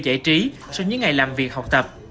giải trí sau những ngày làm việc học tập